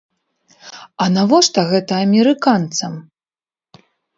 А навошта гэта амерыканцам?